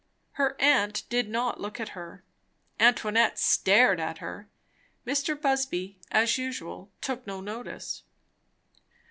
Her aunt did not look at her. Antoinette stared at her. Mr. Busby, as usual, took no notice.